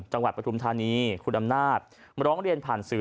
ปฐุมธานีคุณอำนาจมาร้องเรียนผ่านสื่อ